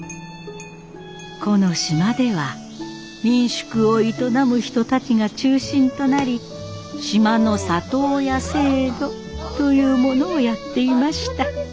この島では民宿を営む人たちが中心となり島の里親制度というものをやっていました。